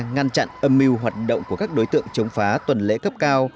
ngăn chặn âm mưu hoạt động của các đối tượng chống phá tuần lễ cấp cao